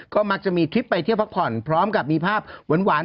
ก็มักจะมีทริปไปเที่ยวพักผ่อนพร้อมกับมีภาพหวาน